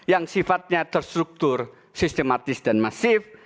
yang sifatnya terstruktur sistematis dan masif